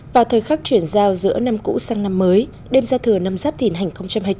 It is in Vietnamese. vào thời khắc chuyển giao giữa năm cũ sang năm mới đêm gia thừa năm giáp thìn hành một trăm hai mươi bốn